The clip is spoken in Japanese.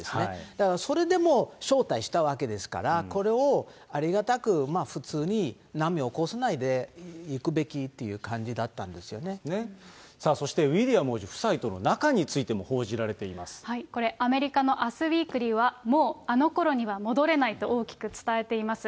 だから、それでも招待したわけですから、これをありがたく、普通に波を起こさないで行くべきといそしてウィリアム王子夫妻とこれ、アメリカのＵＳウイークリーは、もうあのころには戻れないと、大きく伝えています。